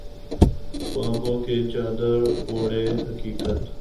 خوابوں کی چادر اوڑھے حقیقت